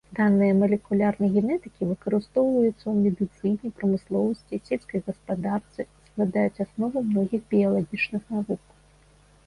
Даныя малекулярнай генетыкі выкарыстоўваюцца ў медыцыне, прамысловасці, сельскай гаспадарцы, складаюць аснову многіх біялагічных навук.